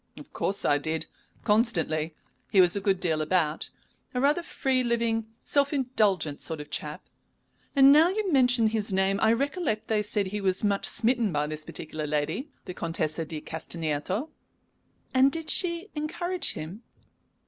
"Of course I did. Constantly. He was a good deal about a rather free living, self indulgent sort of chap. And now you mention his name, I recollect they said he was much smitten by this particular lady, the Contessa di Castagneto." "And did she encourage him?"